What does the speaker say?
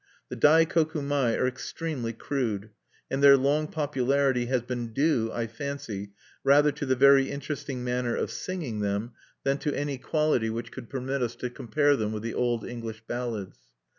The Daikoku mai are extremely crude; and their long popularity has been due, I fancy, rather to the very interesting manner of singing them than to any quality which could permit us to compare them with the old English ballads.